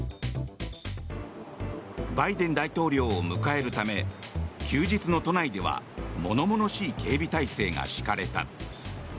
バイデン大統領を迎えるため休日の都内では物々しい警備態勢が敷かれた。